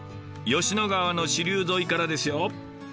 吉野川の支流沿いからですよ。